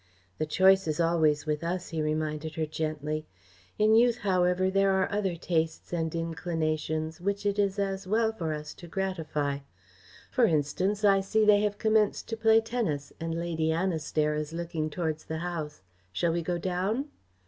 "The choice is always with us," he reminded her gently. "In youth, however, there are other tastes and inclinations which it is as well for us to gratify. For instance, I see they have commenced to play tennis, and Lady Annistair is looking towards the house. Shall we go down?"